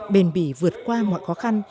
bền bỉ vượt qua mọi khó khăn